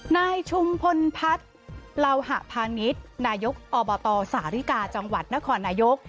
นายชุมพลพัฒน์เหล่าหะพาณิชย์นายกอบตสาริกาจังหวัดนครนายก